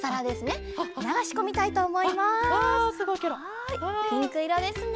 はいピンクいろですね。